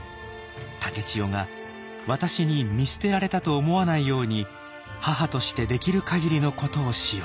「竹千代が私に見捨てられたと思わないように母としてできる限りのことをしよう」。